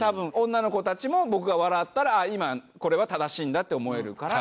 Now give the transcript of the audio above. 女の子たちも僕が笑ったら今これは正しいんだって思えるから。